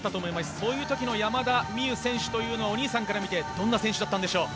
そういう時の山田美諭選手というのはお兄さんから見てどんな選手でしょう。